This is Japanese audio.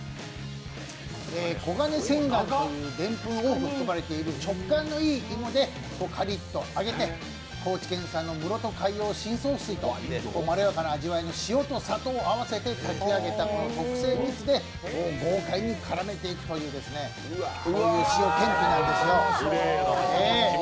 黄金千貫というでんぷんが多く含まれている食感のいい芋をカリッと揚げて、高知県産の室戸海洋深層水とまろやかな味わいの塩と砂糖をまぜて炊き上げた特製蜜で豪快に絡めていくというこういう塩けんぴなんですよ。